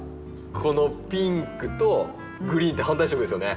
このピンクとグリーンって反対色ですよね。